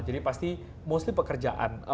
jadi pasti mostly pekerjaan